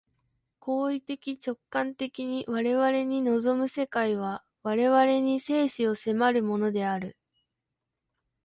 行為的直観的に我々に臨む世界は、我々に生死を迫るものである。